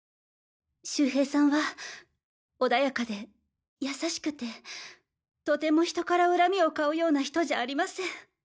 周平さんはおだやかでやさしくてとても人から恨みを買うような人じゃありません。